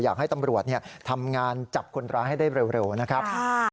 อยากให้ตำรวจทำงานจับคนร้ายให้ได้เร็วนะครับ